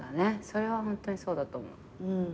それはホントにそうだと思う。